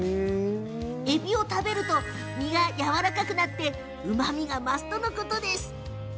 えびを食べると身がやわらかくなってうまみが増すとのこと。